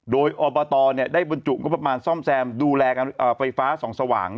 โดยอบตได้บรรจุงบประมาณซ่อมแซมดูแลการไฟฟ้าส่องสว่าง